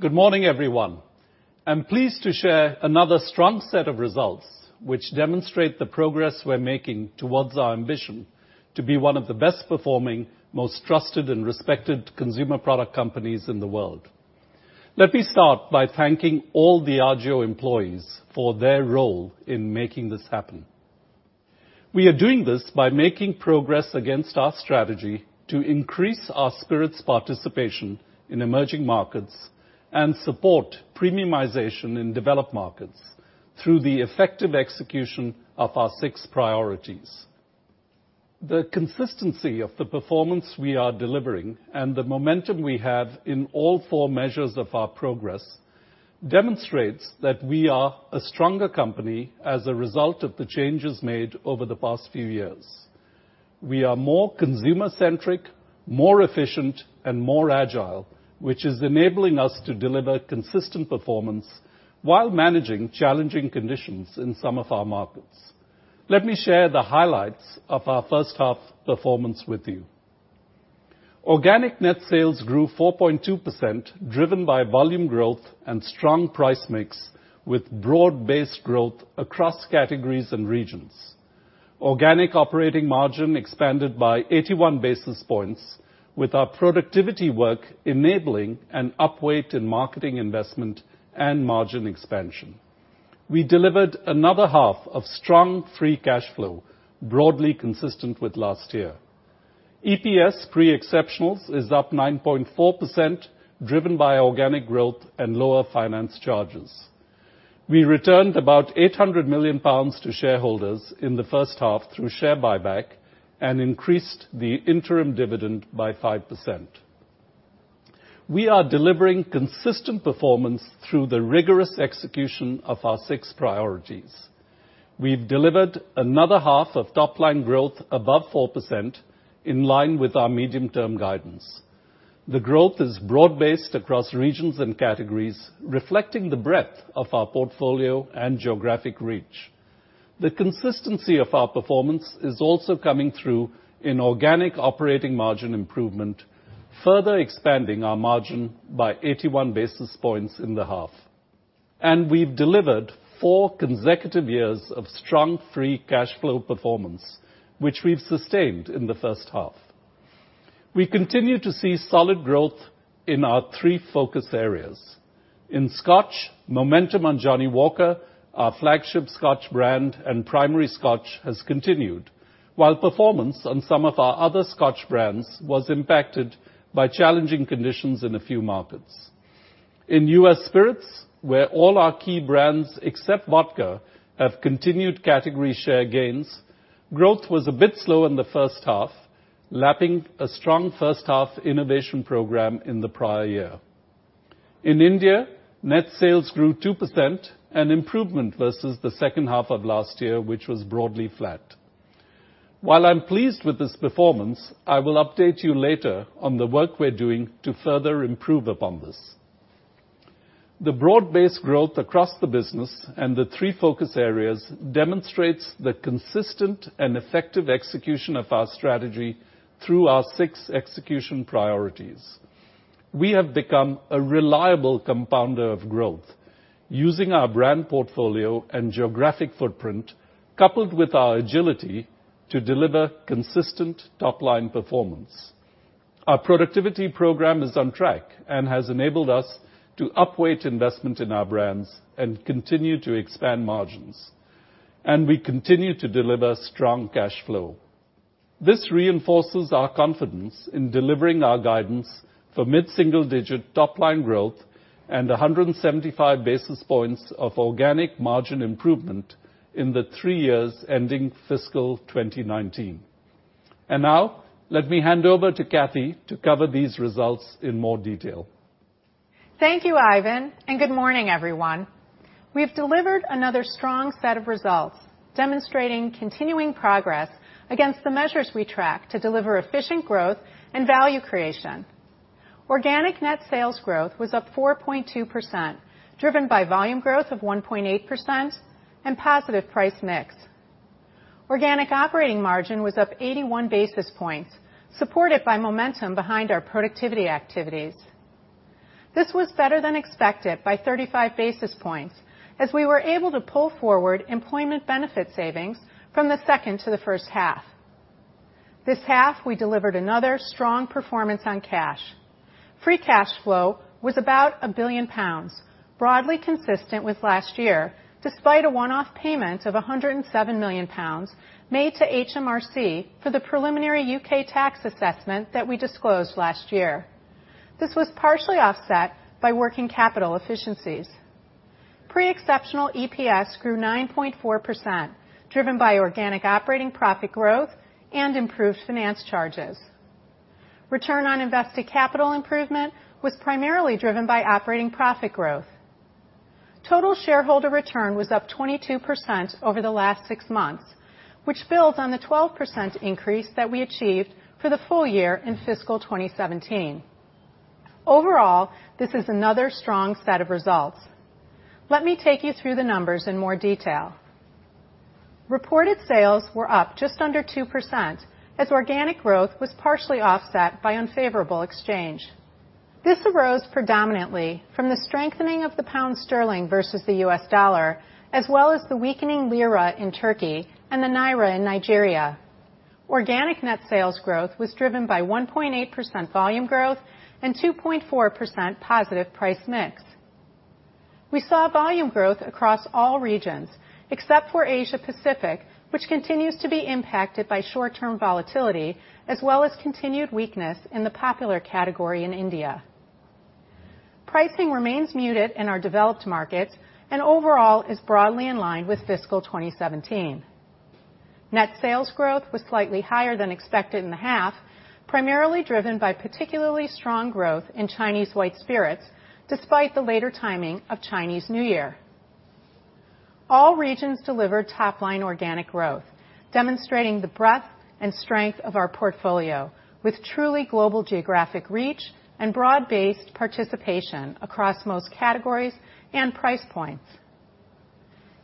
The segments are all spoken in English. Good morning, everyone. I'm pleased to share another strong set of results which demonstrate the progress we're making towards our ambition to be one of the best performing, most trusted and respected consumer product companies in the world. Let me start by thanking all Diageo employees for their role in making this happen. We are doing this by making progress against our strategy to increase our spirits participation in emerging markets and support premiumization in developed markets through the effective execution of our six priorities. The consistency of the performance we are delivering and the momentum we have in all four measures of our progress demonstrates that we are a stronger company as a result of the changes made over the past few years. We are more consumer centric, more efficient, and more agile, which is enabling us to deliver consistent performance while managing challenging conditions in some of our markets. Let me share the highlights of our first half performance with you. Organic net sales grew 4.2%, driven by volume growth and strong price mix with broad-based growth across categories and regions. Organic operating margin expanded by 81 basis points with our productivity work enabling an upweight in marketing investment and margin expansion. We delivered another half of strong free cash flow, broadly consistent with last year. EPS pre-exceptionals is up 9.4%, driven by organic growth and lower finance charges. We returned about 800 million pounds to shareholders in the first half through share buyback and increased the interim dividend by 5%. We are delivering consistent performance through the rigorous execution of our six priorities. We've delivered another half of top-line growth above 4%, in line with our medium-term guidance. The growth is broad-based across regions and categories, reflecting the breadth of our portfolio and geographic reach. The consistency of our performance is also coming through in organic operating margin improvement, further expanding our margin by 81 basis points in the half. We've delivered four consecutive years of strong free cash flow performance, which we've sustained in the first half. We continue to see solid growth in our three focus areas. In Scotch, momentum on Johnnie Walker, our flagship Scotch brand and primary Scotch has continued, while performance on some of our other Scotch brands was impacted by challenging conditions in a few markets. In U.S. spirits, where all our key brands except vodka have continued category share gains, growth was a bit slow in the first half, lapping a strong first-half innovation program in the prior year. In India, net sales grew 2%, an improvement versus the second half of last year, which was broadly flat. While I'm pleased with this performance, I will update you later on the work we're doing to further improve upon this. The broad-based growth across the business and the three focus areas demonstrates the consistent and effective execution of our strategy through our six execution priorities. We have become a reliable compounder of growth, using our brand portfolio and geographic footprint, coupled with our agility to deliver consistent top-line performance. Our productivity program is on track and has enabled us to upweight investment in our brands and continue to expand margins. We continue to deliver strong cash flow. This reinforces our confidence in delivering our guidance for mid-single digit top-line growth and 175 basis points of organic margin improvement in the three years ending fiscal 2019. Now, let me hand over to Kathy to cover these results in more detail. Thank you, Ivan, and good morning, everyone. We have delivered another strong set of results, demonstrating continuing progress against the measures we track to deliver efficient growth and value creation. Organic net sales growth was up 4.2%, driven by volume growth of 1.8% and positive price mix. Organic operating margin was up 81 basis points, supported by momentum behind our productivity activities. This was better than expected by 35 basis points, as we were able to pull forward employment benefit savings from the second to the first half. This half, we delivered another strong performance on cash. Free cash flow was about 1 billion pounds, broadly consistent with last year, despite a one-off payment of 107 million pounds made to HMRC for the preliminary U.K. tax assessment that we disclosed last year. This was partially offset by working capital efficiencies. Pre-exceptional EPS grew 9.4%, driven by organic operating profit growth and improved finance charges. Return on invested capital improvement was primarily driven by operating profit growth. Total shareholder return was up 22% over the last six months, which builds on the 12% increase that we achieved for the full year in fiscal 2017. Overall, this is another strong set of results. Let me take you through the numbers in more detail. Reported sales were up just under 2%, as organic growth was partially offset by unfavorable exchange. This arose predominantly from the strengthening of the pound sterling versus the U.S. dollar, as well as the weakening lira in Turkey and the naira in Nigeria. Organic net sales growth was driven by 1.8% volume growth and 2.4% positive price mix. We saw volume growth across all regions except for Asia Pacific, which continues to be impacted by short-term volatility as well as continued weakness in the popular category in India. Pricing remains muted in our developed markets and overall is broadly in line with fiscal 2017. Net sales growth was slightly higher than expected in the half, primarily driven by particularly strong growth in Chinese white spirits, despite the later timing of Chinese New Year. All regions delivered top-line organic growth, demonstrating the breadth and strength of our portfolio with truly global geographic reach and broad-based participation across most categories and price points.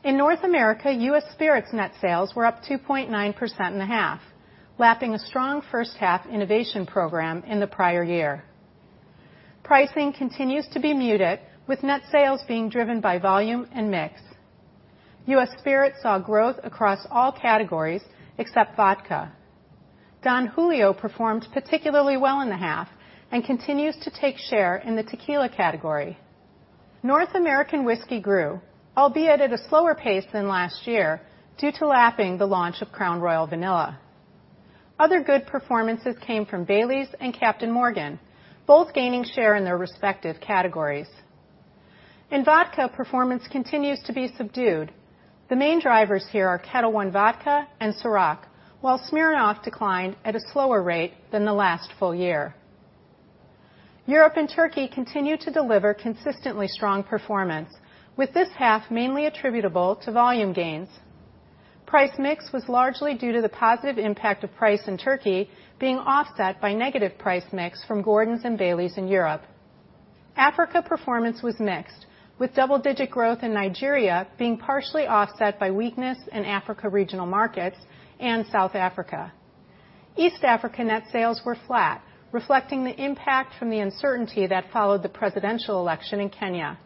In North America, U.S. Spirits net sales were up 2.9% in the half, lapping a strong first-half innovation program in the prior year. Pricing continues to be muted, with net sales being driven by volume and mix. U.S. Spirits saw growth across all categories except vodka. Don Julio performed particularly well in the half and continues to take share in the tequila category. North American whiskey grew, albeit at a slower pace than last year due to lapping the launch of Crown Royal Vanilla. Other good performances came from Baileys and Captain Morgan, both gaining share in their respective categories. In vodka, performance continues to be subdued. The main drivers here are Ketel One Vodka and CÎROC, while Smirnoff declined at a slower rate than the last full year. Europe and Turkey continued to deliver consistently strong performance, with this half mainly attributable to volume gains. Price mix was largely due to the positive impact of price in Turkey being offset by negative price mix from Gordon's and Baileys in Europe. Africa performance was mixed, with double-digit growth in Nigeria being partially offset by weakness in Africa regional markets and South Africa. East Africa net sales were flat, reflecting the impact from the uncertainty that followed the presidential election in Kenya.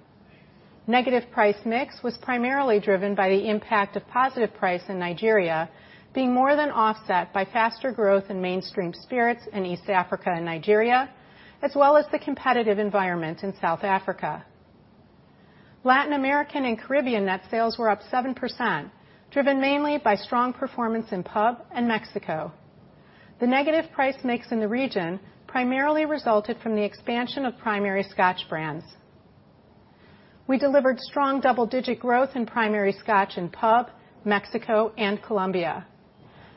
Negative price mix was primarily driven by the impact of positive price in Nigeria being more than offset by faster growth in mainstream spirits in East Africa and Nigeria, as well as the competitive environment in South Africa. Latin America and Caribbean net sales were up 7%, driven mainly by strong performance in PUB and Mexico. The negative price mix in the region primarily resulted from the expansion of primary Scotch brands. We delivered strong double-digit growth in primary Scotch in PUB, Mexico, and Colombia.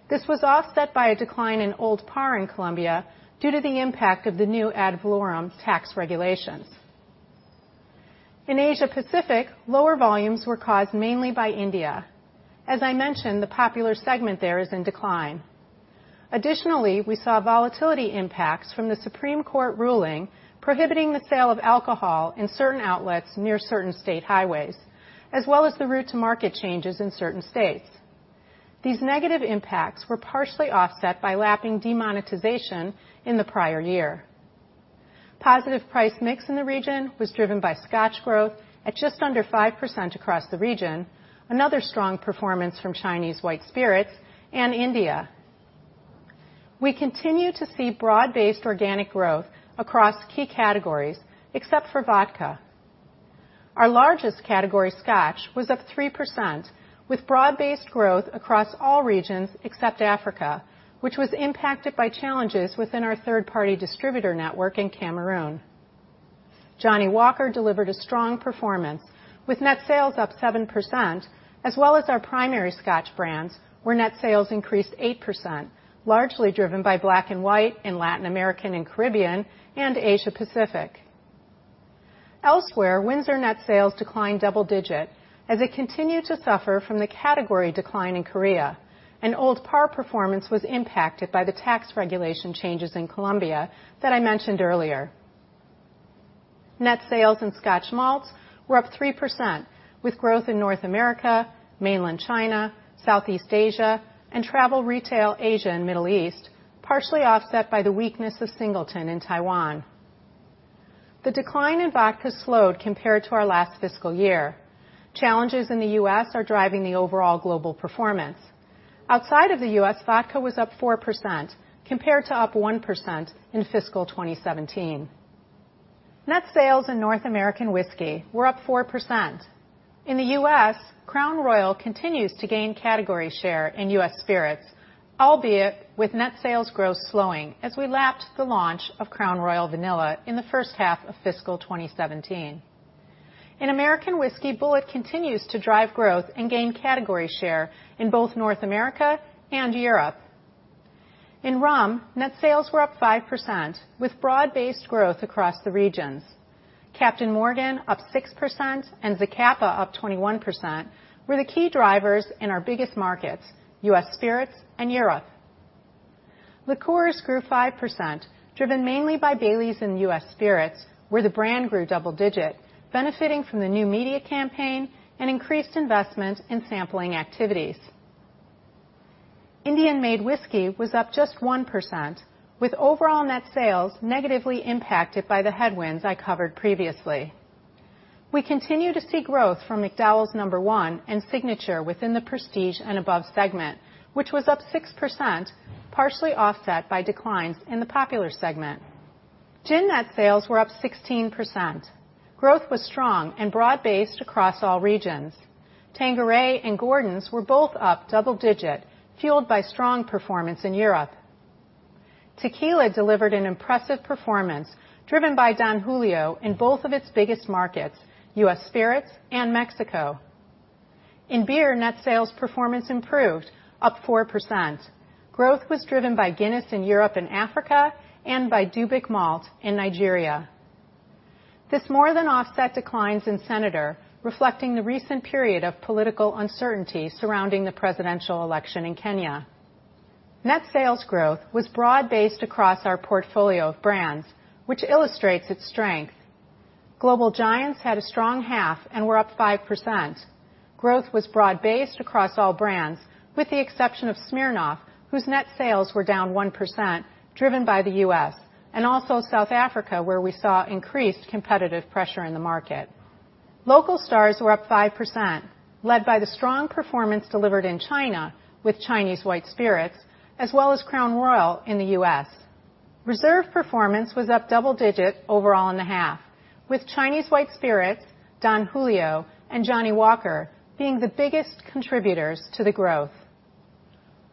This was offset by a decline in Old Parr in Colombia due to the impact of the new ad valorem tax regulations. In Asia Pacific, lower volumes were caused mainly by India. As I mentioned, the popular segment there is in decline. Additionally, we saw volatility impacts from the Supreme Court ruling prohibiting the sale of alcohol in certain outlets near certain state highways, as well as the route to market changes in certain states. These negative impacts were partially offset by lapping demonetization in the prior year. Positive price mix in the region was driven by Scotch growth at just under 5% across the region. Another strong performance from Chinese white spirits and India. We continue to see broad-based organic growth across key categories except for vodka. Our largest category, Scotch, was up 3%, with broad-based growth across all regions except Africa, which was impacted by challenges within our third-party distributor network in Cameroon. Johnnie Walker delivered a strong performance with net sales up 7%, as well as our primary Scotch brands, where net sales increased 8%, largely driven by Black & White in Latin America and Caribbean and Asia Pacific. Elsewhere, Windsor net sales declined double-digit as it continued to suffer from the category decline in Korea, and Old Parr performance was impacted by the tax regulation changes in Colombia that I mentioned earlier. Net sales in Scotch malts were up 3%, with growth in North America, mainland China, Southeast Asia, and travel retail Asia and Middle East, partially offset by the weakness of Singleton in Taiwan. The decline in vodka slowed compared to our last fiscal year. Challenges in the U.S. are driving the overall global performance. Outside of the U.S., vodka was up 4% compared to up 1% in fiscal 2017. Net sales in North American whiskey were up 4%. In the U.S., Crown Royal continues to gain category share in U.S. spirits, albeit with net sales growth slowing as we lapsed the launch of Crown Royal Vanilla in the first half of fiscal 2017. In American Whiskey, Bulleit continues to drive growth and gain category share in both North America and Europe. In rum, net sales were up 5% with broad-based growth across the regions. Captain Morgan up 6% and Zacapa up 21% were the key drivers in our biggest markets, U.S. spirits and Europe. Liqueurs grew 5%, driven mainly by Baileys and U.S. Spirits, where the brand grew double digit, benefiting from the new media campaign and increased investment in sampling activities. Indian-made whisky was up just 1%, with overall net sales negatively impacted by the headwinds I covered previously. We continue to see growth from McDowell's No.1 and Signature within the Prestige & Above segment, which was up 6%, partially offset by declines in the popular segment. Gin net sales were up 16%. Growth was strong and broad based across all regions. Tanqueray and Gordon's were both up double digit, fueled by strong performance in Europe. Tequila delivered an impressive performance, driven by Don Julio in both of its biggest markets, U.S. Spirits and Mexico. In beer, net sales performance improved, up 4%. Growth was driven by Guinness in Europe and Africa and by Dubic Malt in Nigeria. This more than offset declines in Senator, reflecting the recent period of political uncertainty surrounding the presidential election in Kenya. Net sales growth was broad based across our portfolio of brands, which illustrates its strength. Global Giants had a strong half and were up 5%. Growth was broad based across all brands, with the exception of Smirnoff, whose net sales were down 1%, driven by the U.S., and also South Africa, where we saw increased competitive pressure in the market. Local Stars were up 5%, led by the strong performance delivered in China with Chinese white spirits, as well as Crown Royal in the U.S. Reserve performance was up double digit overall in the half, with Chinese white spirits, Don Julio, and Johnnie Walker being the biggest contributors to the growth.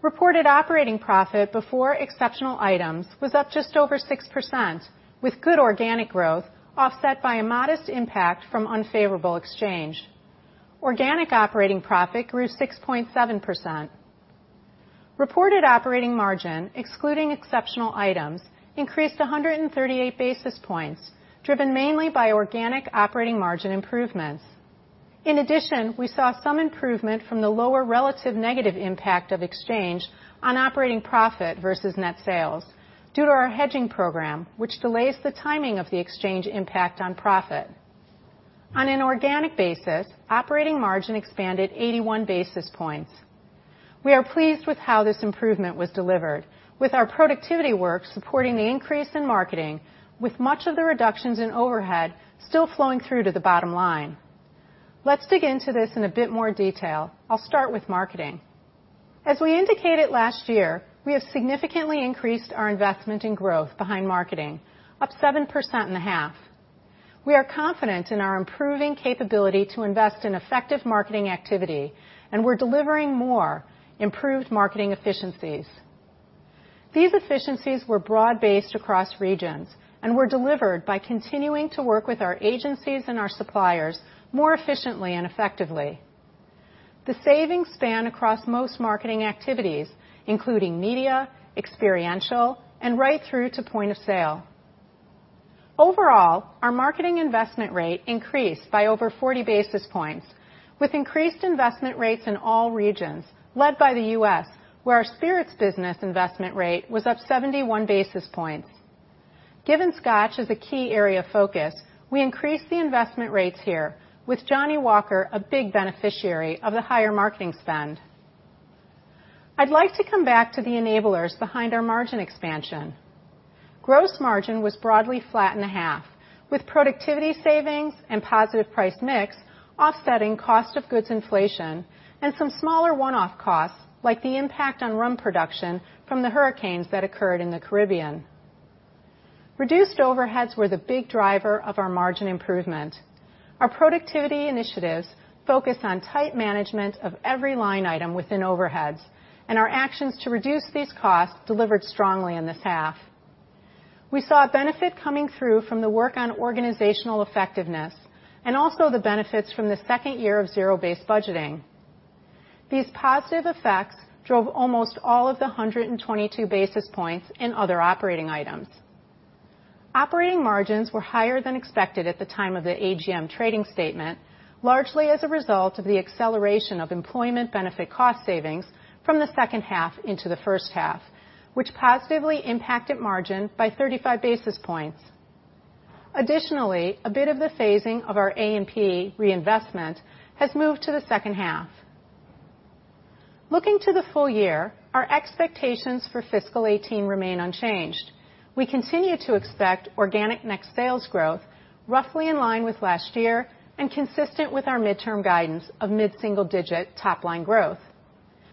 Reported operating profit before exceptional items was up just over 6%, with good organic growth offset by a modest impact from unfavorable exchange. Organic operating profit grew 6.7%. Reported operating margin, excluding exceptional items, increased 138 basis points, driven mainly by organic operating margin improvements. In addition, we saw some improvement from the lower relative negative impact of exchange on operating profit versus net sales due to our hedging program, which delays the timing of the exchange impact on profit. On an organic basis, operating margin expanded 81 basis points. We are pleased with how this improvement was delivered, with our productivity work supporting the increase in marketing, with much of the reductions in overhead still flowing through to the bottom line. Let's dig into this in a bit more detail. I'll start with marketing. As we indicated last year, we have significantly increased our investment in growth behind marketing, up 7% in the half. We are confident in our improving capability to invest in effective marketing activity, and we're delivering more improved marketing efficiencies. These efficiencies were broad based across regions and were delivered by continuing to work with our agencies and our suppliers more efficiently and effectively. The savings span across most marketing activities, including media, experiential, and right through to point of sale. Overall, our marketing investment rate increased by over 40 basis points, with increased investment rates in all regions, led by the U.S., where our spirits business investment rate was up 71 basis points. Given Scotch is a key area of focus, we increased the investment rates here with Johnnie Walker a big beneficiary of the higher marketing spend. I'd like to come back to the enablers behind our margin expansion. Gross margin was broadly flat in the half, with productivity savings and positive price mix offsetting cost of goods inflation and some smaller one-off costs, like the impact on rum production from the hurricanes that occurred in the Caribbean. Reduced overheads were the big driver of our margin improvement. Our productivity initiatives focus on tight management of every line item within overheads, and our actions to reduce these costs delivered strongly in this half. We saw a benefit coming through from the work on organizational effectiveness and also the benefits from the second year of zero-based budgeting. These positive effects drove almost all of the 122 basis points in other operating items. Operating margins were higher than expected at the time of the AGM trading statement, largely as a result of the acceleration of employment benefit cost savings from the second half into the first half, which positively impacted margin by 35 basis points. Additionally, a bit of the phasing of our A&P reinvestment has moved to the second half. Looking to the full year, our expectations for fiscal 2018 remain unchanged. We continue to expect organic net sales growth roughly in line with last year and consistent with our midterm guidance of mid-single-digit top-line growth.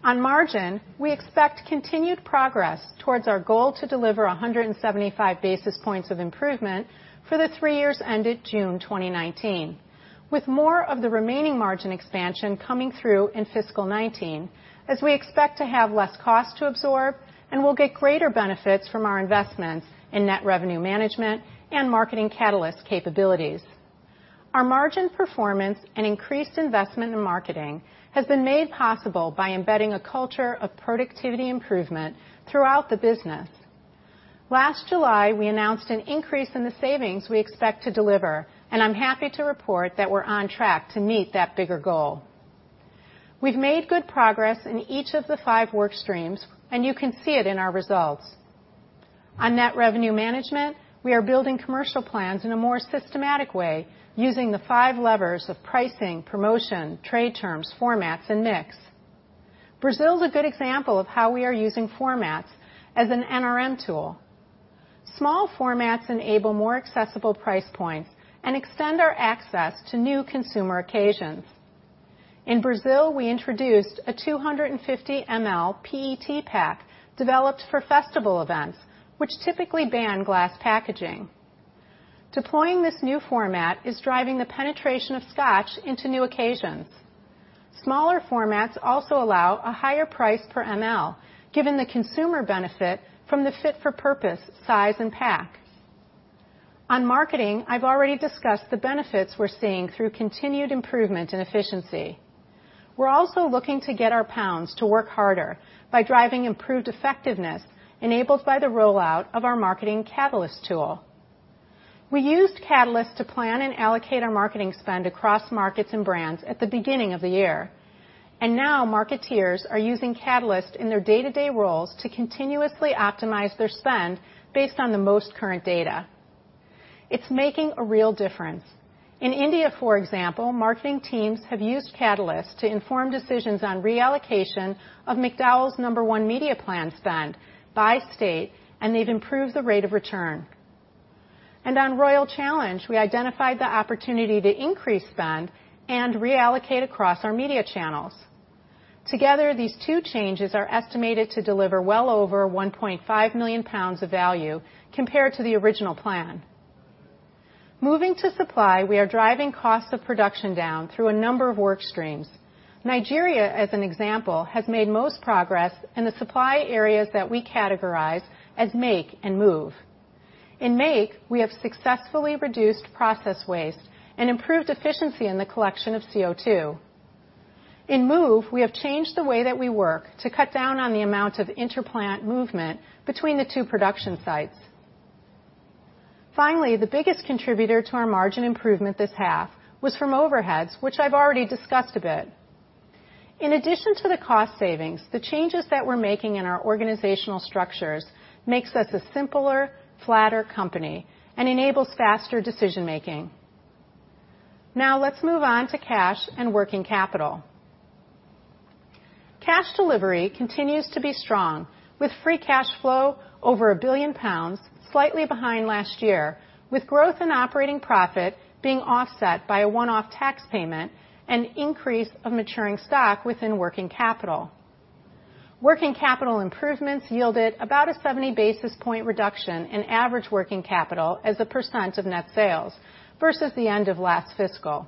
On margin, we expect continued progress towards our goal to deliver 175 basis points of improvement for the three years ended June 2019, with more of the remaining margin expansion coming through in fiscal 2019, as we expect to have less cost to absorb and will get greater benefits from our investments in net revenue management and Marketing Catalyst capabilities. Our margin performance and increased investment in marketing has been made possible by embedding a culture of productivity improvement throughout the business. Last July, we announced an increase in the savings we expect to deliver, and I'm happy to report that we're on track to meet that bigger goal. We've made good progress in each of the five work streams, and you can see it in our results. On net revenue management, we are building commercial plans in a more systematic way, using the five levers of pricing, promotion, trade terms, formats, and mix. Brazil is a good example of how we are using formats as an NRM tool. Small formats enable more accessible price points and extend our access to new consumer occasions. In Brazil, we introduced a 250 ml PET pack developed for festival events, which typically ban glass packaging. Deploying this new format is driving the penetration of Scotch into new occasions. Smaller formats also allow a higher price per ml, given the consumer benefit from the fit-for-purpose size and pack. On marketing, I've already discussed the benefits we're seeing through continued improvement in efficiency. We're also looking to get our pounds to work harder by driving improved effectiveness enabled by the rollout of our Marketing Catalyst tool. We used Catalyst to plan and allocate our marketing spend across markets and brands at the beginning of the year. Now marketeers are using Catalyst in their day-to-day roles to continuously optimize their spend based on the most current data. It's making a real difference. In India, for example, marketing teams have used Catalyst to inform decisions on reallocation of McDowell's No.1 media plan spend by state, and they've improved the rate of return. On Royal Challenge, we identified the opportunity to increase spend and reallocate across our media channels. Together, these two changes are estimated to deliver well over 1.5 million pounds of value compared to the original plan. Moving to supply, we are driving costs of production down through a number of work streams. Nigeria, as an example, has made most progress in the supply areas that we categorize as make and move. In make, we have successfully reduced process waste and improved efficiency in the collection of CO2. In move, we have changed the way that we work to cut down on the amount of interplant movement between the two production sites. Finally, the biggest contributor to our margin improvement this half was from overheads, which I've already discussed a bit. In addition to the cost savings, the changes that we're making in our organizational structures makes us a simpler, flatter company and enables faster decision-making. Let's move on to cash and working capital. Cash delivery continues to be strong with free cash flow over 1 billion pounds, slightly behind last year, with growth in operating profit being offset by a one-off tax payment and increase of maturing stock within working capital. Working capital improvements yielded about a 70-basis-point reduction in average working capital as a percent of net sales versus the end of last fiscal,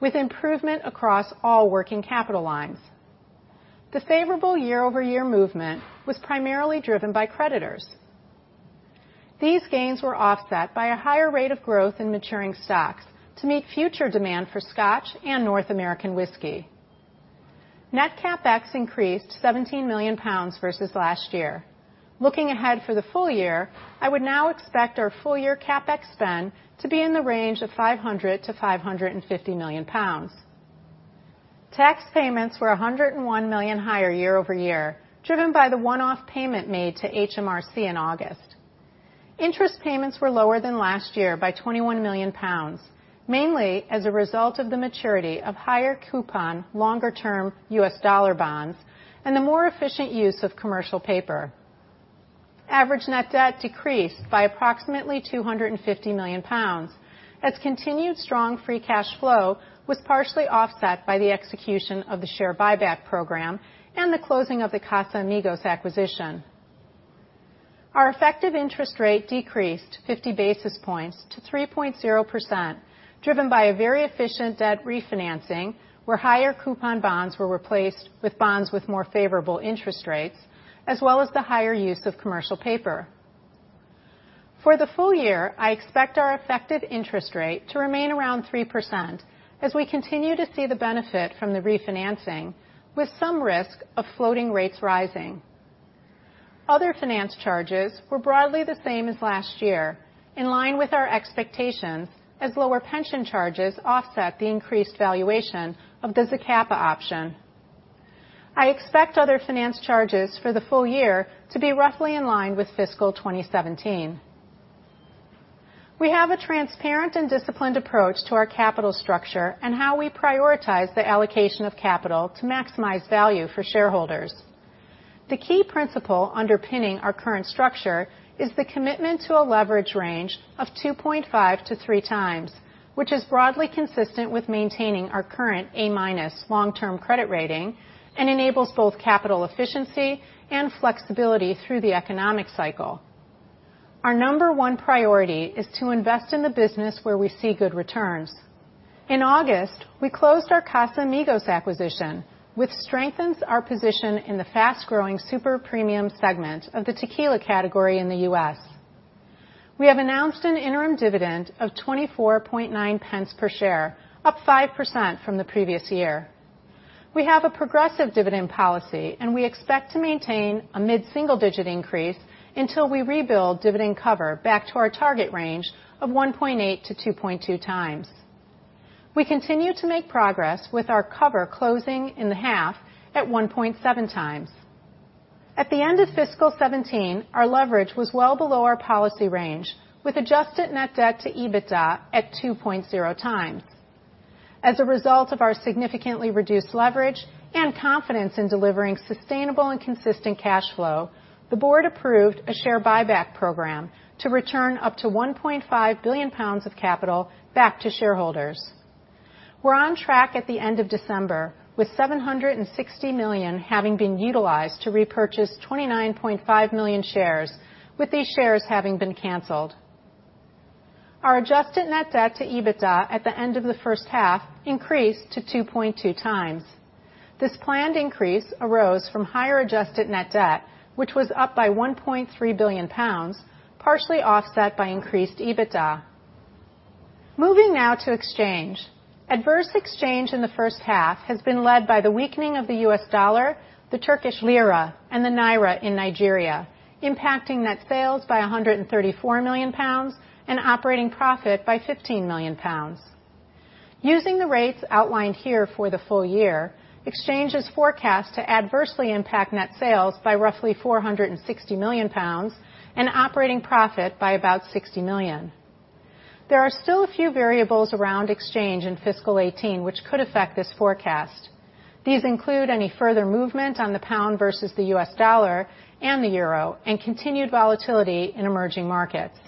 with improvement across all working capital lines. The favorable year-over-year movement was primarily driven by creditors. These gains were offset by a higher rate of growth in maturing stocks to meet future demand for Scotch and North American whiskey. Net CapEx increased 17 million pounds versus last year. Looking ahead for the full year, I would now expect our full-year CapEx spend to be in the range of 500 million-550 million pounds. Tax payments were 101 million higher year-over-year, driven by the one-off payment made to HMRC in August. Interest payments were lower than last year by 21 million pounds, mainly as a result of the maturity of higher coupon, longer-term US dollar bonds and the more efficient use of commercial paper. Average net debt decreased by approximately 250 million pounds, as continued strong free cash flow was partially offset by the execution of the share buyback program and the closing of the Casamigos acquisition. Our effective interest rate decreased 50 basis points to 3.0%, driven by a very efficient debt refinancing where higher coupon bonds were replaced with bonds with more favorable interest rates, as well as the higher use of commercial paper. For the full year, I expect our effective interest rate to remain around 3% as we continue to see the benefit from the refinancing, with some risk of floating rates rising. Other finance charges were broadly the same as last year, in line with our expectations, as lower pension charges offset the increased valuation of the Zacapa option. I expect other finance charges for the full year to be roughly in line with fiscal 2017. We have a transparent and disciplined approach to our capital structure and how we prioritize the allocation of capital to maximize value for shareholders. The key principle underpinning our current structure is the commitment to a leverage range of 2.5-3 times, which is broadly consistent with maintaining our current A-minus long-term credit rating and enables both capital efficiency and flexibility through the economic cycle. Our number 1 priority is to invest in the business where we see good returns. In August, we closed our Casamigos acquisition, which strengthens our position in the fast-growing super premium segment of the tequila category in the U.S. We have announced an interim dividend of 0.249 per share, up 5% from the previous year. We have a progressive dividend policy, we expect to maintain a mid-single-digit increase until we rebuild dividend cover back to our target range of 1.8-2.2 times. We continue to make progress with our cover closing in the half at 1.7 times. At the end of fiscal 2017, our leverage was well below our policy range, with adjusted net debt to EBITDA at 2.0 times. As a result of our significantly reduced leverage and confidence in delivering sustainable and consistent cash flow, the board approved a share buyback program to return up to 1.5 billion pounds of capital back to shareholders. We are on track at the end of December, with 760 million having been utilized to repurchase 29.5 million shares, with these shares having been canceled. Our adjusted net debt to EBITDA at the end of the first half increased to 2.2 times. This planned increase arose from higher adjusted net debt, which was up by 1.3 billion pounds, partially offset by increased EBITDA. Moving now to exchange. Adverse exchange in the first half has been led by the weakening of the US dollar, the Turkish lira, and the naira in Nigeria, impacting net sales by 134 million pounds and operating profit by 15 million pounds. Using the rates outlined here for the full year, exchange is forecast to adversely impact net sales by roughly 460 million pounds and operating profit by about 60 million. There are still a few variables around exchange in fiscal 2018 which could affect this forecast. These include any further movement on the pound versus the US dollar and the euro and continued volatility in emerging markets.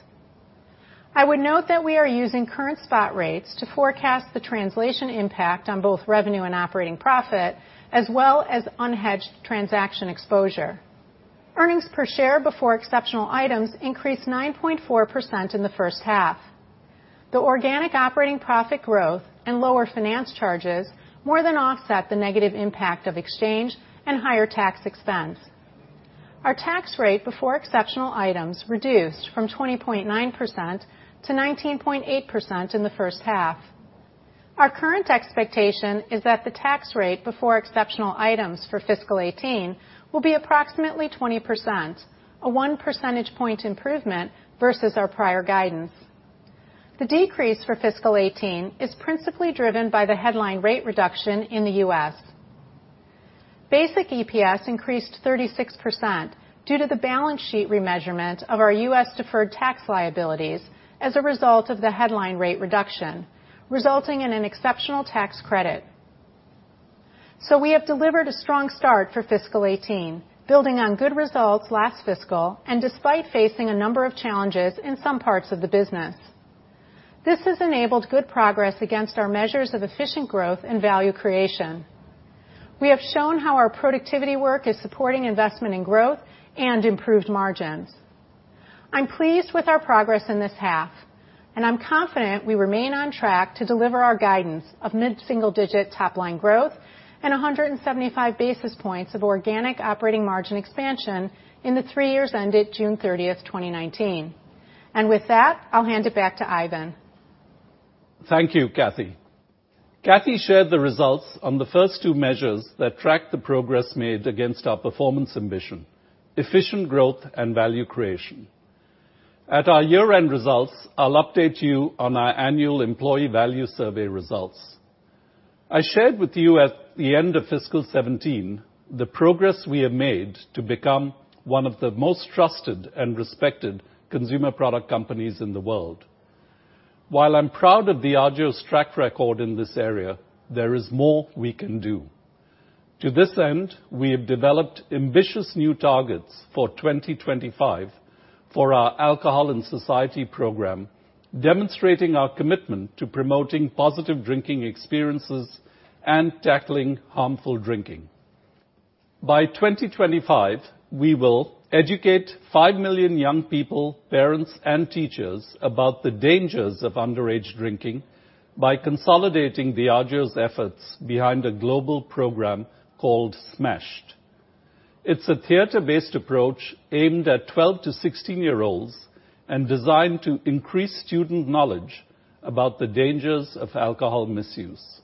I would note that we are using current spot rates to forecast the translation impact on both revenue and operating profit, as well as unhedged transaction exposure. Earnings per share before exceptional items increased 9.4% in the first half. The organic operating profit growth and lower finance charges more than offset the negative impact of exchange and higher tax expense. Our tax rate before exceptional items reduced from 20.9%-19.8% in the first half. Our current expectation is that the tax rate before exceptional items for fiscal 2018 will be approximately 20%, a one percentage point improvement versus our prior guidance. The decrease for fiscal 2018 is principally driven by the headline rate reduction in the U.S. Basic EPS increased 36% due to the balance sheet remeasurement of our U.S. deferred tax liabilities as a result of the headline rate reduction, resulting in an exceptional tax credit. We have delivered a strong start for fiscal 2018, building on good results last fiscal, despite facing a number of challenges in some parts of the business. This has enabled good progress against our measures of efficient growth and value creation. We have shown how our productivity work is supporting investment in growth and improved margins. I'm pleased with our progress in this half, I'm confident we remain on track to deliver our guidance of mid-single-digit top-line growth and 175 basis points of organic operating margin expansion in the three years ended June 30th, 2019. With that, I'll hand it back to Ivan. Thank you, Kathy. Kathy shared the results on the first two measures that track the progress made against our performance ambition, efficient growth, and value creation. At our year-end results, I'll update you on our annual employee value survey results. I shared with you at the end of fiscal 2017 the progress we have made to become one of the most trusted and respected consumer product companies in the world. While I'm proud of Diageo's track record in this area, there is more we can do. To this end, we have developed ambitious new targets for 2025 for our Alcohol in Society program, demonstrating our commitment to promoting positive drinking experiences and tackling harmful drinking. By 2025, we will educate 5 million young people, parents, and teachers about the dangers of underage drinking by consolidating Diageo's efforts behind a global program called SMASHED. It's a theater-based approach aimed at 12 to 16-year-olds and designed to increase student knowledge about the dangers of alcohol misuse.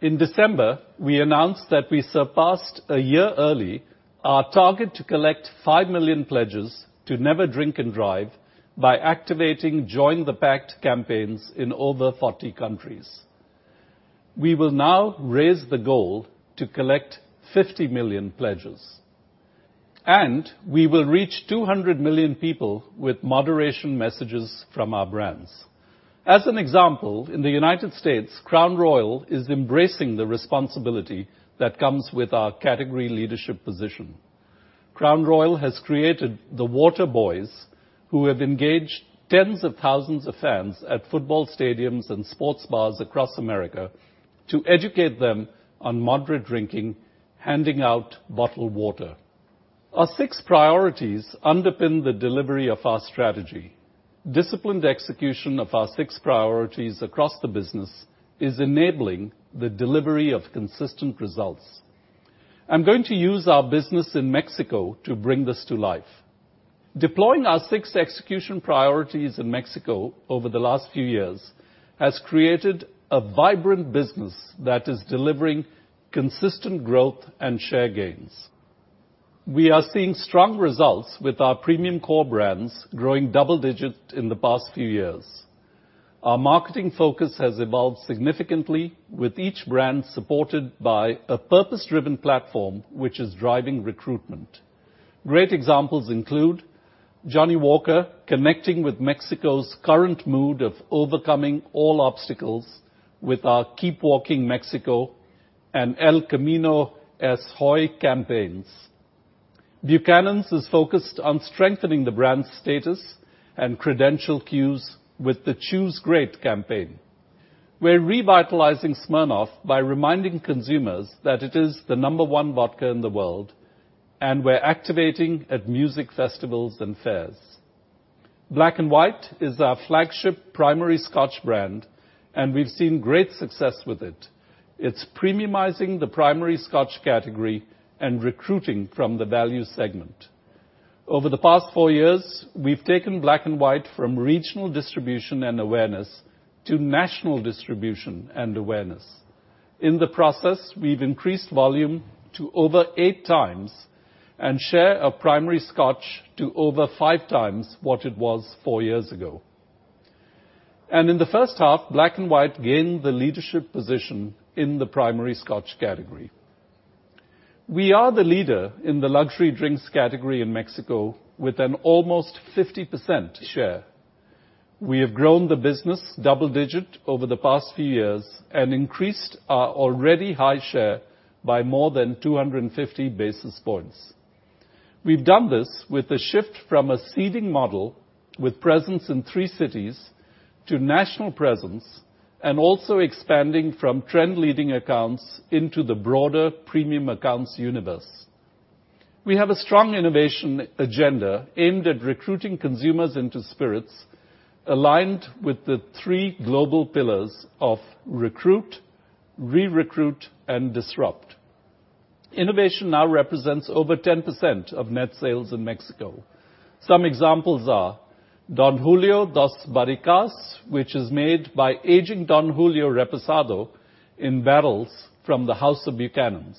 In December, we announced that we surpassed, a year early, our target to collect 5 million pledges to never drink and drive by activating Join the Pact campaigns in over 40 countries. We will now raise the goal to collect 50 million pledges. We will reach 200 million people with moderation messages from our brands. As an example, in the U.S., Crown Royal is embracing the responsibility that comes with our category leadership position. Crown Royal has created the Water B.O.Y.S., who have engaged tens of thousands of fans at football stadiums and sports bars across America to educate them on moderate drinking, handing out bottled water. Our six priorities underpin the delivery of our strategy. Disciplined execution of our six priorities across the business is enabling the delivery of consistent results. I'm going to use our business in Mexico to bring this to life. Deploying our six execution priorities in Mexico over the last few years has created a vibrant business that is delivering consistent growth and share gains. We are seeing strong results with our premium core brands growing double-digit in the past few years. Our marketing focus has evolved significantly with each brand supported by a purpose-driven platform which is driving recruitment. Great examples include Johnnie Walker connecting with Mexico's current mood of overcoming all obstacles with our Keep Walking, Mexico and El Camino es Hoy campaigns. Buchanan's is focused on strengthening the brand status and credential cues with the Choose Great campaign. We're revitalizing Smirnoff by reminding consumers that it is the number one vodka in the world, we're activating at music festivals and fairs. Black & White is our flagship primary Scotch brand, we've seen great success with it. It's premiumizing the primary Scotch category and recruiting from the value segment. Over the past four years, we've taken Black & White from regional distribution and awareness to national distribution and awareness. In the process, we've increased volume to over eight times, and share of primary Scotch to over five times what it was four years ago. In the first half, Black & White gained the leadership position in the primary Scotch category. We are the leader in the luxury drinks category in Mexico, with an almost 50% share. We have grown the business double-digit over the past few years and increased our already high share by more than 250 basis points. We've done this with a shift from a seeding model with presence in three cities to national presence, also expanding from trend-leading accounts into the broader premium accounts universe. We have a strong innovation agenda aimed at recruiting consumers into spirits, aligned with the three global pillars of recruit, re-recruit, and disrupt. Innovation now represents over 10% of net sales in Mexico. Some examples are Don Julio Dos Barricas, which is made by aging Don Julio Reposado in barrels from the house of Buchanan's,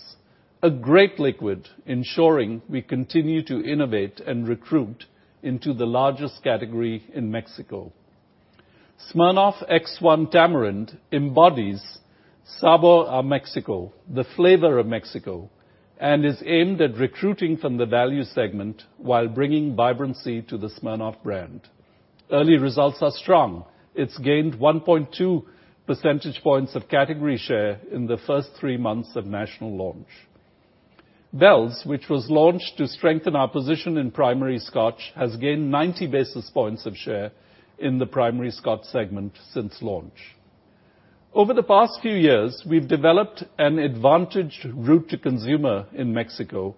a great liquid ensuring we continue to innovate and recruit into the largest category in Mexico. Smirnoff X1 Tamarind embodies Sabor de Mexico, the flavor of Mexico, and is aimed at recruiting from the value segment while bringing vibrancy to the Smirnoff brand. Early results are strong. It's gained 1.2 percentage points of category share in the first three months of national launch. Bell's, which was launched to strengthen our position in primary Scotch, has gained 90 basis points of share in the primary Scotch segment since launch. Over the past few years, we've developed an advantage route to consumer in Mexico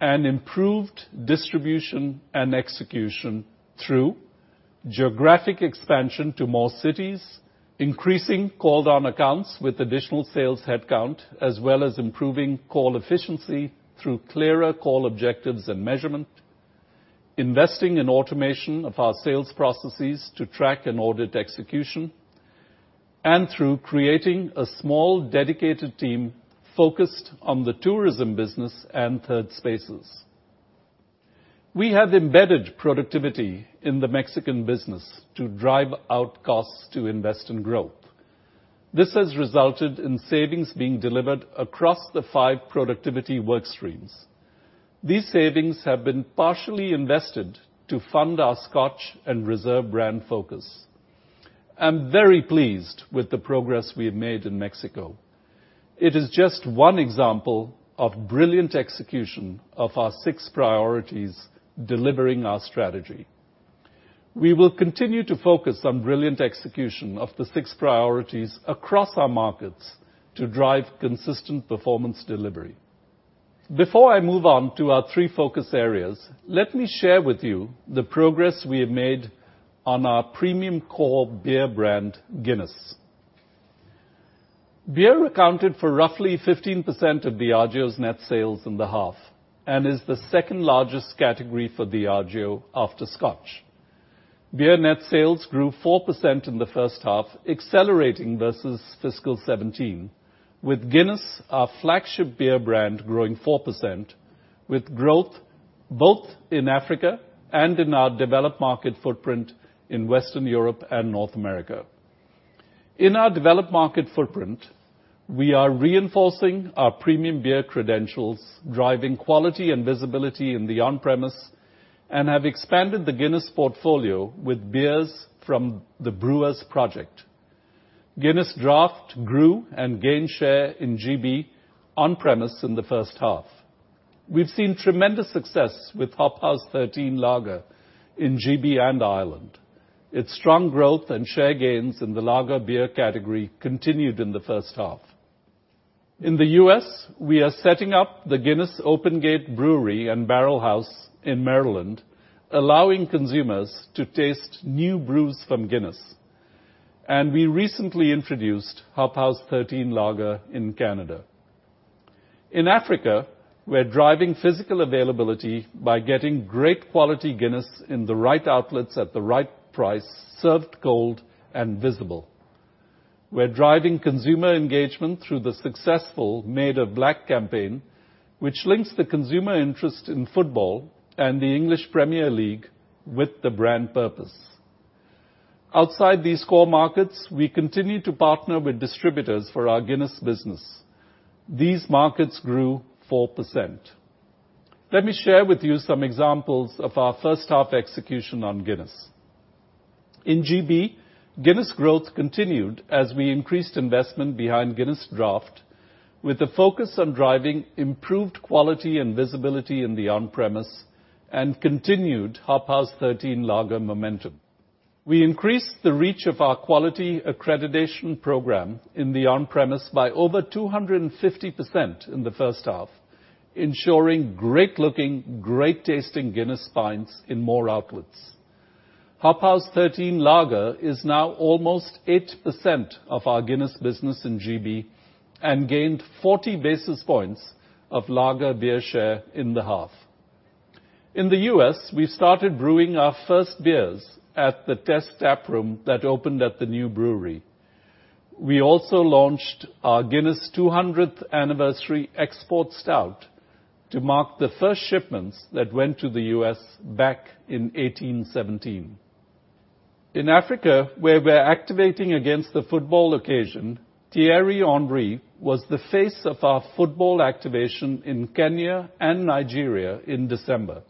and improved distribution and execution through geographic expansion to more cities, increasing called on accounts with additional sales headcount, as well as improving call efficiency through clearer call objectives and measurement, investing in automation of our sales processes to track and audit execution, and through creating a small, dedicated team focused on the tourism business and third spaces. We have embedded productivity in the Mexican business to drive out costs to invest in growth. This has resulted in savings being delivered across the five productivity work streams. These savings have been partially invested to fund our Scotch and Reserve brand focus. I'm very pleased with the progress we have made in Mexico. It is just one example of brilliant execution of our six priorities delivering our strategy. We will continue to focus on brilliant execution of the six priorities across our markets to drive consistent performance delivery. Before I move on to our three focus areas, let me share with you the progress we have made on our premium core beer brand, Guinness. Beer accounted for roughly 15% of Diageo's net sales in the half and is the second largest category for Diageo after Scotch. Beer net sales grew 4% in the first half, accelerating versus fiscal 2017, with Guinness, our flagship beer brand, growing 4%, with growth both in Africa and in our developed market footprint in Western Europe and North America. In our developed market footprint, we are reinforcing our premium beer credentials, driving quality and visibility in the on-premise, and have expanded the Guinness portfolio with beers from the Brewers Project. Guinness Draught grew and gained share in GB on-premise in the first half. We've seen tremendous success with Hop House 13 Lager in GB and Ireland. Its strong growth and share gains in the lager beer category continued in the first half. In the U.S., we are setting up the Guinness Open Gate Brewery and Barrel House in Maryland, allowing consumers to taste new brews from Guinness. We recently introduced Hop House 13 Lager in Canada. In Africa, we're driving physical availability by getting great quality Guinness in the right outlets at the right price, served cold and visible. We're driving consumer engagement through the successful Made of Black campaign, which links the consumer interest in football and the English Premier League with the brand purpose. Outside these core markets, we continue to partner with distributors for our Guinness business. These markets grew 4%. Let me share with you some examples of our first half execution on Guinness. In GB, Guinness growth continued as we increased investment behind Guinness Draught, with a focus on driving improved quality and visibility in the on-premise and continued Hop House 13 Lager momentum. We increased the reach of our quality accreditation program in the on-premise by over 250% in the first half, ensuring great looking, great tasting Guinness pints in more outlets. Hop House 13 Lager is now almost 8% of our Guinness business in GB and gained 40 basis points of lager beer share in the half. In the U.S., we started brewing our first beers at the test taproom that opened at the new brewery. We also launched our Guinness 200th Anniversary Export Stout to mark the first shipments that went to the U.S. back in 1817. In Africa, where we're activating against the football occasion, Thierry Henry was the face of our football activation in Kenya and Nigeria in December.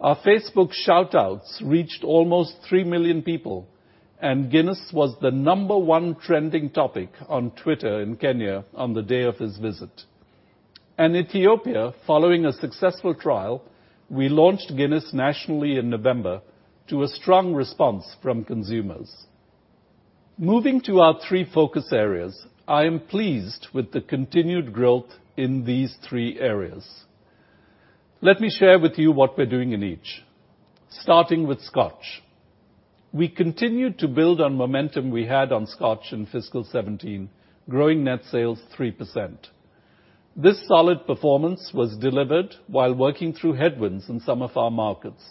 Our Facebook shout-outs reached almost 3 million people. Guinness was the number 1 trending topic on Twitter in Kenya on the day of his visit. In Ethiopia, following a successful trial, we launched Guinness nationally in November to a strong response from consumers. Moving to our three focus areas, I am pleased with the continued growth in these three areas. Let me share with you what we're doing in each. Starting with Scotch. We continued to build on momentum we had on Scotch in fiscal 2017, growing net sales 3%. This solid performance was delivered while working through headwinds in some of our markets.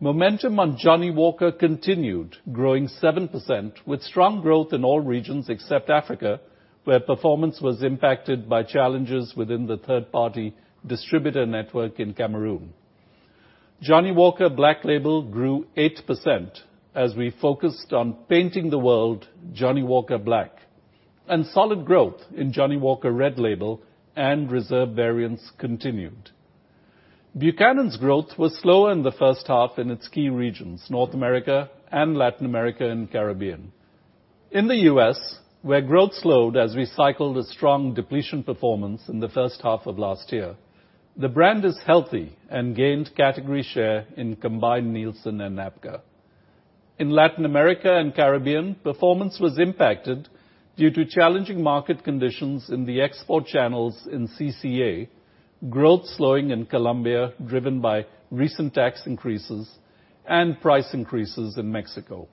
Momentum on Johnnie Walker continued growing 7%, with strong growth in all regions except Africa, where performance was impacted by challenges within the third-party distributor network in Cameroon. Johnnie Walker Black Label grew 8% as we focused on painting the world Johnnie Walker black. Solid growth in Johnnie Walker Red Label and Reserve variants continued. Buchanan's growth was slower in the first half in its key regions, North America and Latin America and Caribbean. In the U.S., where growth slowed as we cycled a strong depletion performance in the first half of last year, the brand is healthy and gained category share in combined Nielsen and NABCA. In Latin America and Caribbean, performance was impacted due to challenging market conditions in the export channels in CCA, growth slowing in Colombia, driven by recent tax increases, and price increases in Mexico.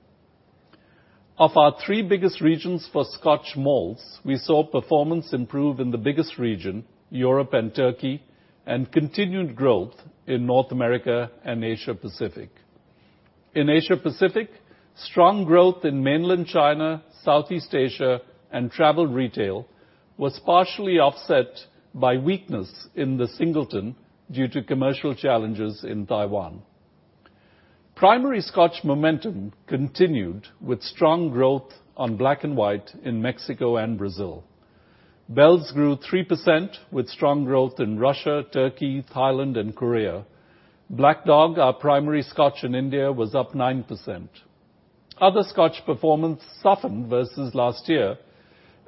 Of our three biggest regions for Scotch malts, we saw performance improve in the biggest region, Europe and Turkey, and continued growth in North America and Asia-Pacific. In Asia-Pacific, strong growth in mainland China, Southeast Asia, and travel retail was partially offset by weakness in The Singleton due to commercial challenges in Taiwan. Primary Scotch momentum continued with strong growth on Black & White in Mexico and Brazil. Bell's grew 3% with strong growth in Russia, Turkey, Thailand, and Korea. Black Dog, our primary Scotch in India, was up 9%. Other Scotch performance softened versus last year,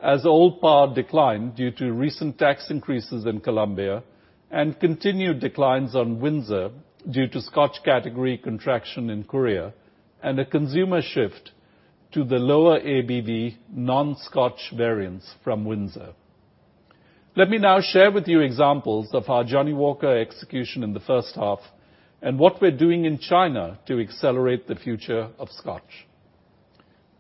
as Old Parr declined due to recent tax increases in Colombia and continued declines on Windsor due to Scotch category contraction in Korea and a consumer shift to the lower ABV non-Scotch variants from Windsor. Let me now share with you examples of our Johnnie Walker execution in the first half and what we're doing in China to accelerate the future of Scotch.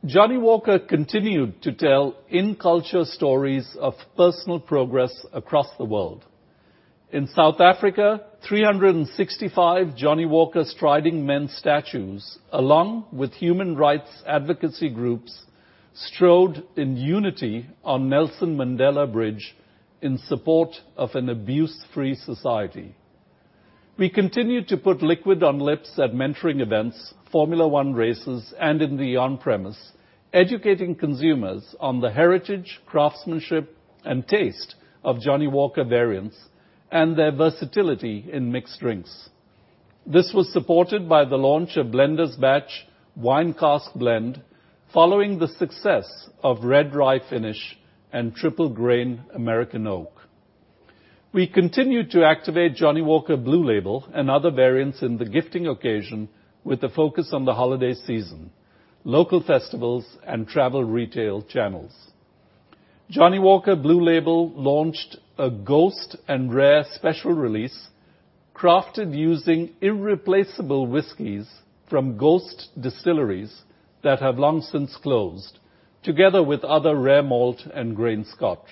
Johnnie Walker continued to tell in culture stories of personal progress across the world. In South Africa, 365 Johnnie Walker Striding Man statues, along with human rights advocacy groups, strode in unity on Nelson Mandela Bridge in support of an abuse-free society. We continued to put liquid on lips at mentoring events, Formula One races, and in the on-premise, educating consumers on the heritage, craftsmanship, and taste of Johnnie Walker variants and their versatility in mixed drinks. This was supported by the launch of Blenders' Batch Wine Cask Blend following the success of Red Rye Finish and Triple Grain American Oak. We continued to activate Johnnie Walker Blue Label and other variants in the gifting occasion with the focus on the holiday season, local festivals, and travel retail channels. Johnnie Walker Blue Label launched a Ghost and Rare special release crafted using irreplaceable whiskies from ghost distilleries that have long since closed, together with other rare malt and grain Scotch.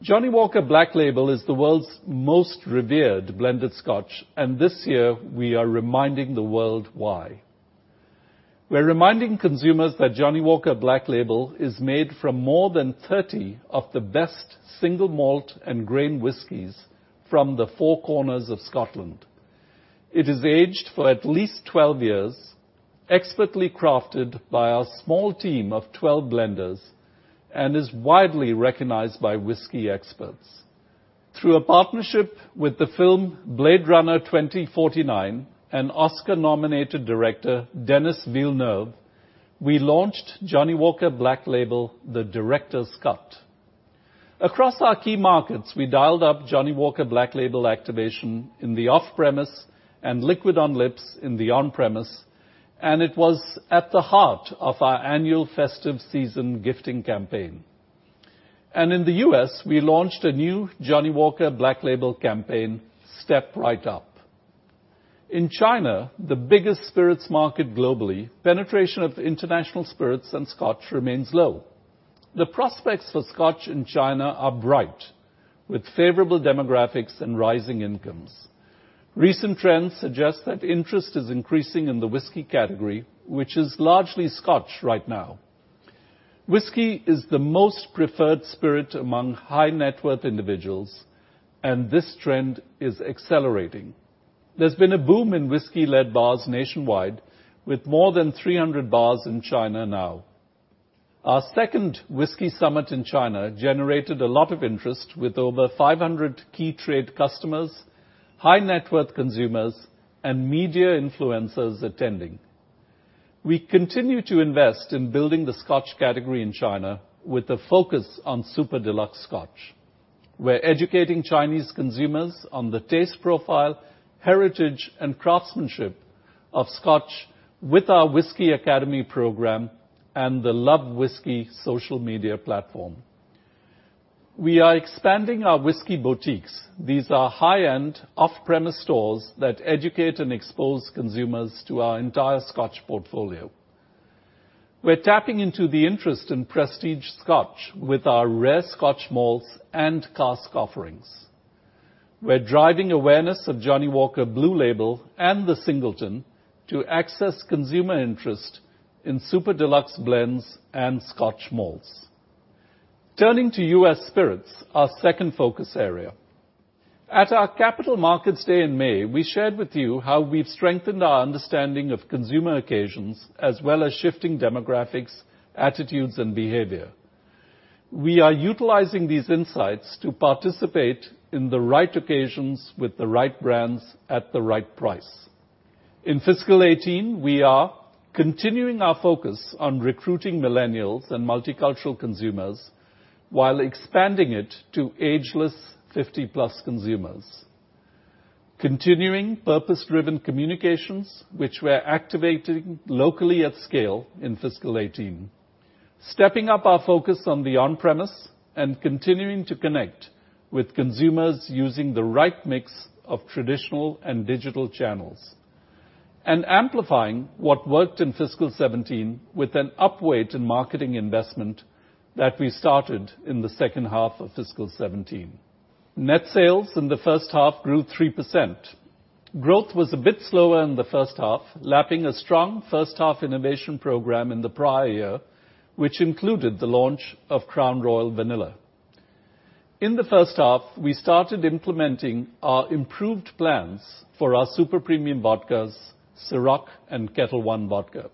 Johnnie Walker Black Label is the world's most revered blended Scotch. This year we are reminding the world why. We're reminding consumers that Johnnie Walker Black Label is made from more than 30 of the best single malt and grain whiskies from the four corners of Scotland. It is aged for at least 12 years, expertly crafted by our small team of 12 blenders, and is widely recognized by whiskey experts. Through a partnership with the film "Blade Runner 2049" and Oscar-nominated director Denis Villeneuve, we launched Johnnie Walker Black Label, The Director's Cut. Across our key markets, we dialed up Johnnie Walker Black Label activation in the off-premise and liquid on lips in the on-premise. It was at the heart of our annual festive season gifting campaign. In the U.S., we launched a new Johnnie Walker Black Label campaign, Step Right Up. In China, the biggest spirits market globally, penetration of international spirits and Scotch remains low. The prospects for Scotch in China are bright, with favorable demographics and rising incomes. Recent trends suggest that interest is increasing in the whisky category, which is largely Scotch right now. Whisky is the most preferred spirit among high-net worth individuals, and this trend is accelerating. There's been a boom in whisky-led bars nationwide, with more than 300 bars in China now. Our second whisky summit in China generated a lot of interest with over 500 key trade customers, high-net worth consumers, and media influencers attending. We continue to invest in building the Scotch category in China with a focus on super deluxe Scotch. We're educating Chinese consumers on the taste, profile, heritage, and craftsmanship of Scotch with our Whisky Academy program and the Love Whisky social media platform. We are expanding our whisky boutiques. These are high-end, off-premise stores that educate and expose consumers to our entire Scotch portfolio. We're tapping into the interest in prestige Scotch with our rare Scotch malts and cask offerings. We're driving awareness of Johnnie Walker Black Label and The Singleton to access consumer interest in super deluxe blends and Scotch malts. Turning to U.S. spirits, our second focus area. At our Capital Markets Day in May, we shared with you how we've strengthened our understanding of consumer occasions, as well as shifting demographics, attitudes, and behavior. We are utilizing these insights to participate in the right occasions with the right brands at the right price. In fiscal 2018, we are continuing our focus on recruiting millennials and multicultural consumers while expanding it to ageless 50-plus consumers. Continuing purpose-driven communications, which we're activating locally at scale in fiscal 2018. Stepping up our focus on the on-premise and continuing to connect with consumers using the right mix of traditional and digital channels. Amplifying what worked in fiscal 2017 with an upweight in marketing investment that we started in the second half of fiscal 2017. Net sales in the first half grew 3%. Growth was a bit slower in the first half, lapping a strong first-half innovation program in the prior year, which included the launch of Crown Royal Vanilla. In the first half, we started implementing our improved plans for our super premium vodkas, Cîroc and Ketel One Vodka.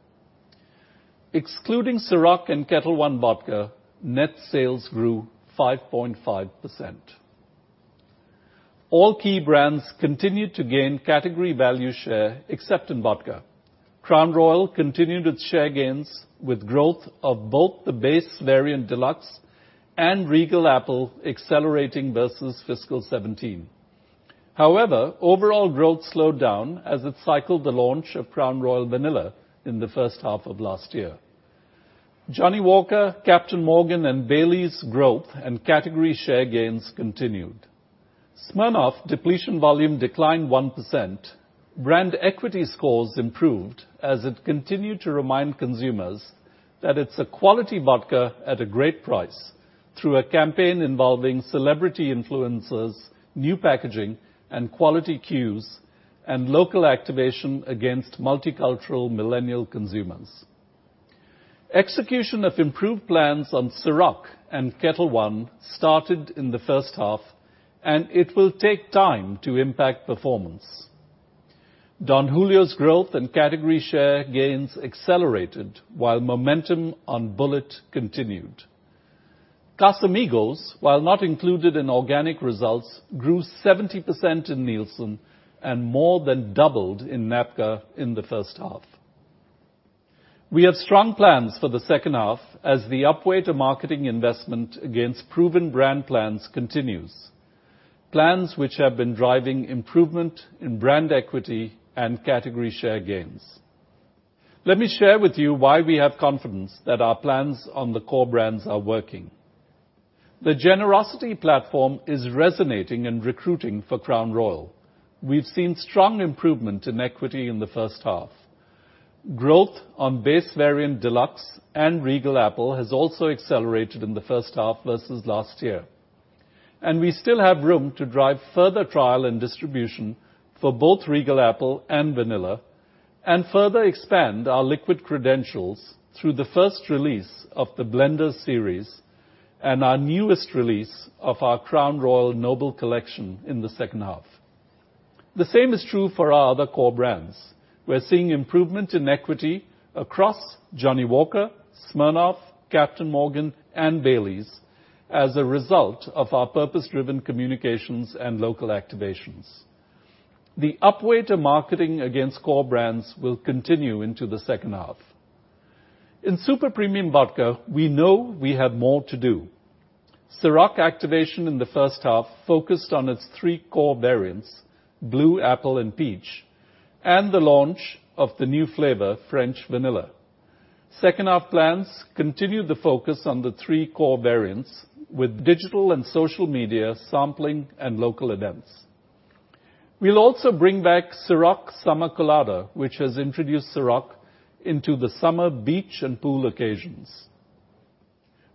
Excluding Cîroc and Ketel One Vodka, net sales grew 5.5%. All key brands continued to gain category value share, except in vodka. Crown Royal continued its share gains with growth of both the base variant deluxe and Regal Apple accelerating versus fiscal 2017. However, overall growth slowed down as it cycled the launch of Crown Royal Vanilla in the first half of last year. Johnnie Walker, Captain Morgan, and Baileys growth and category share gains continued. Smirnoff depletion volume declined 1%. Brand equity scores improved as it continued to remind consumers that it's a quality vodka at a great price through a campaign involving celebrity influencers, new packaging, and quality cues, and local activation against multicultural millennial consumers. Execution of improved plans on Cîroc and Ketel One started in the first half, and it will take time to impact performance. Don Julio's growth and category share gains accelerated while momentum on Bulleit continued. Casamigos, while not included in organic results, grew 70% in Nielsen and more than doubled in NABCA in the first half. We have strong plans for the second half as the upweight of marketing investment against proven brand plans continues, plans which have been driving improvement in brand equity and category share gains. Let me share with you why we have confidence that our plans on the core brands are working. The Generosity platform is resonating and recruiting for Crown Royal. We've seen strong improvement in equity in the first half. Growth on base variant Deluxe and Regal Apple has also accelerated in the first half versus last year. We still have room to drive further trial and distribution for both Regal Apple and Vanilla, and further expand our liquid credentials through the first release of the Blenders' Mash and our newest release of our Crown Royal Noble Collection in the second half. The same is true for our other core brands. We're seeing improvement in equity across Johnnie Walker, Smirnoff, Captain Morgan, and Baileys as a result of our purpose-driven communications and local activations. The upweight of marketing against core brands will continue into the second half. In super premium vodka, we know we have more to do. Cîroc activation in the first half focused on its three core variants, Blue, Apple and Peach, and the launch of the new flavor, CÎROC French Vanilla. Second half plans continue the focus on the three core variants with digital and social media sampling and local events. We'll also bring back CÎROC Summer Colada, which has introduced Cîroc into the summer beach and pool occasions.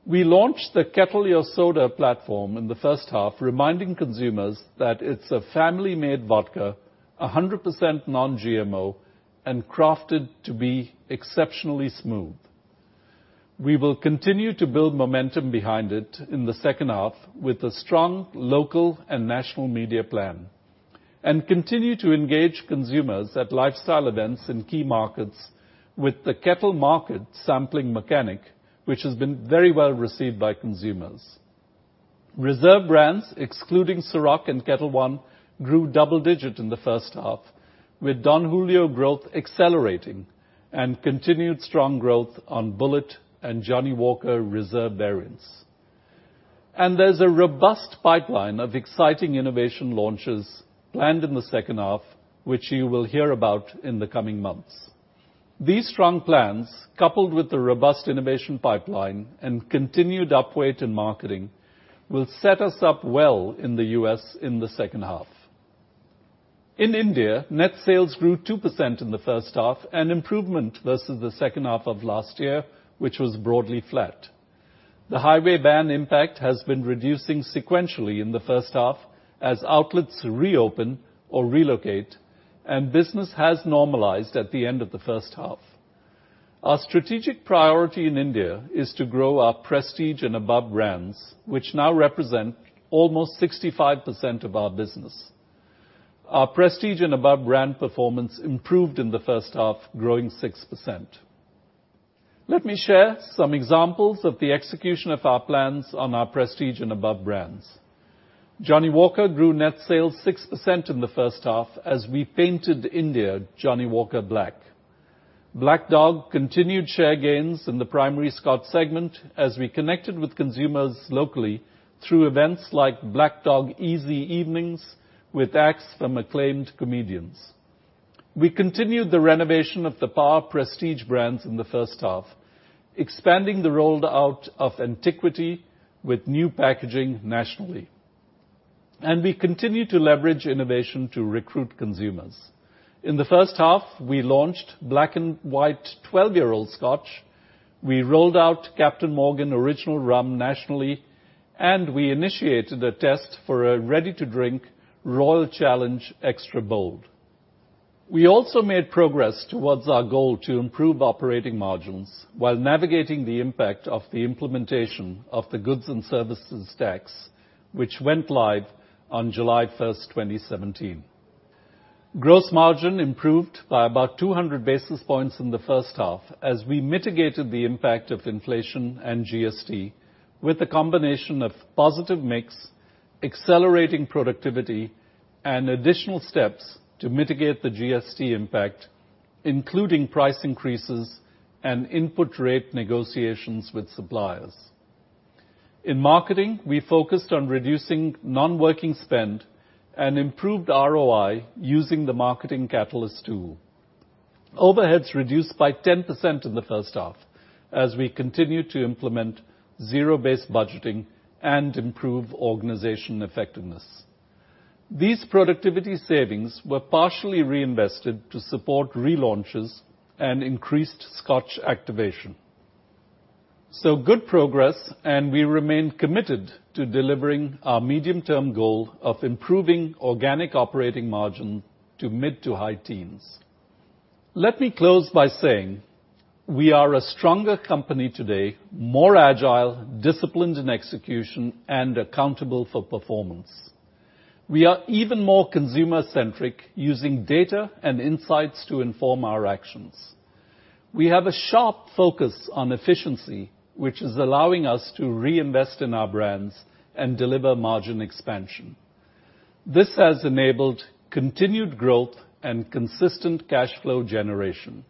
We launched the Ketel Your Soda platform in the first half, reminding consumers that it's a family-made vodka, 100% non-GMO, and crafted to be exceptionally smooth. We will continue to build momentum behind it in the second half with a strong local and national media plan, and continue to engage consumers at lifestyle events in key markets with the Ketel One Market sampling mechanic, which has been very well received by consumers. Reserve brands, excluding Cîroc and Ketel One, grew double digit in the first half, with Don Julio growth accelerating and continued strong growth on Bulleit and Johnnie Walker Reserve variants. There's a robust pipeline of exciting innovation launches planned in the second half, which you will hear about in the coming months. These strong plans, coupled with the robust innovation pipeline and continued upweight in marketing, will set us up well in the U.S. in the second half. In India, net sales grew 2% in the first half, an improvement versus the second half of last year, which was broadly flat. The highway ban impact has been reducing sequentially in the first half as outlets reopen or relocate, and business has normalized at the end of the first half. Our strategic priority in India is to grow our Prestige & Above brands, which now represent almost 65% of our business. Our Prestige & Above brand performance improved in the first half, growing 6%. Let me share some examples of the execution of our plans on our Prestige & Above brands. Johnnie Walker grew net sales 6% in the first half as we painted India Johnnie Walker black. Black Dog continued share gains in the primary scotch segment as we connected with consumers locally through events like Black Dog Easy Evenings with acts from acclaimed comedians. We continued the renovation of the (PAR) Prestige & Above brands in the first half, expanding the rollout of Antiquity with new packaging nationally. We continue to leverage innovation to recruit consumers. In the first half, we launched Black & White 12 Year Old Scotch, we rolled out Captain Morgan Original Rum nationally, and we initiated a test for a ready-to-drink Royal Challenge Extra Bold. We also made progress towards our goal to improve operating margins while navigating the impact of the implementation of the goods and services tax, which went live on July 1st, 2017. Gross margin improved by about 200 basis points in the first half as we mitigated the impact of inflation and GST with a combination of positive mix, accelerating productivity, and additional steps to mitigate the GST impact, including price increases and input rate negotiations with suppliers. In marketing, we focused on reducing non-working spend and improved ROI using the Marketing Catalyst tool. Overheads reduced by 10% in the first half as we continued to implement zero-based budgeting and improve organization effectiveness. These productivity savings were partially reinvested to support relaunches and increased Scotch activation. Good progress, and we remain committed to delivering our medium-term goal of improving organic operating margin to mid to high teens. Let me close by saying we are a stronger company today, more agile, disciplined in execution, and accountable for performance. We are even more consumer-centric, using data and insights to inform our actions. We have a sharp focus on efficiency, which is allowing us to reinvest in our brands and deliver margin expansion. This has enabled continued growth and consistent cash flow generation.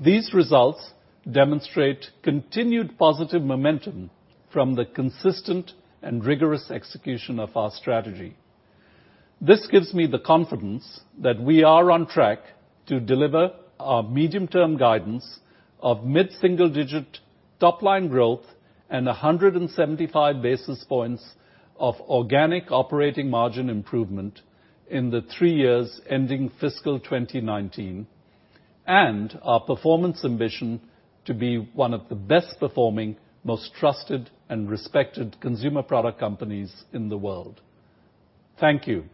These results demonstrate continued positive momentum from the consistent and rigorous execution of our strategy. This gives me the confidence that we are on track to deliver our medium-term guidance of mid-single digit top-line growth and 175 basis points of organic operating margin improvement in the three years ending fiscal 2019, and our performance ambition to be one of the best performing, most trusted and respected consumer product companies in the world. Thank you.